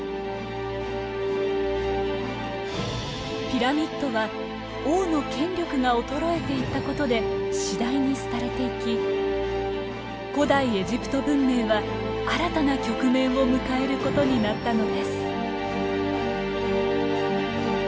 ピラミッドは王の権力が衰えていったことで次第に廃れていき古代エジプト文明は新たな局面を迎えることになったのです。